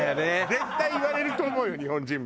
絶対言われると思うよ日本人も。